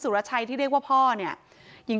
ทรัพย์สินที่เป็นของฝ่ายหญิง